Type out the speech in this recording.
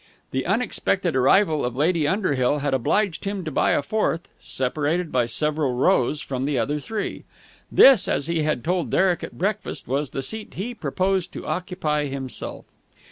The unexpected arrival of Lady Underhill had obliged him to buy a fourth, separated by several rows from the other three. This, as he had told Derek at breakfast, was the seat he proposed to occupy himself.